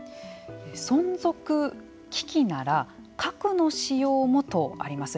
存続危機なら核の使用もと思います。